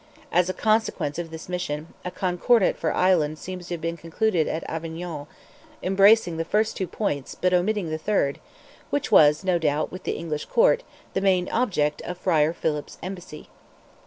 As a consequence of this mission, a Concordat for Ireland seems to have been concluded at Avignon, embracing the two first points, but omitting the third, which was, no doubt, with the English Court, the main object of Friar Philip's embassy.